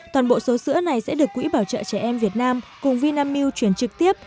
toàn bộ số sữa này sẽ được quỹ bảo trợ trẻ em việt nam cùng vinamil chuyển trực tiếp